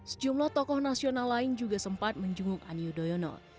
sejumlah tokoh nasional lain juga sempat menjenguk ani yudhoyono